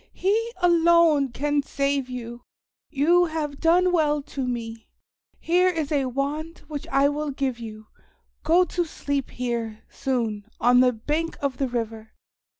He alone can save you. You have done well to me. Here is a wand which I will give you. Go to sleep here, soon, on the bank of the river.